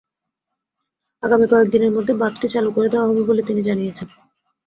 আগামী কয়েক দিনের মধ্যে বাঁধটি চালু করে দেওয়া হবে বলে তিনি জানিয়েছেন।